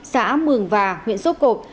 xã mường và huyện xốt cộc